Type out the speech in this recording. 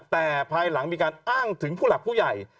แต่ภายหลังมีการอ้างถึงผู้หลักผู้ใหญ่